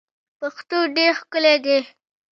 پښتو ډیر ښکلی دی.